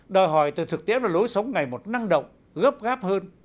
đòi hỏi từ thực tiễn và lối sống ngày một năng động gấp gáp hơn